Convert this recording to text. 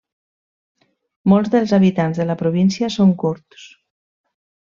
Molts dels habitants de la província són kurds.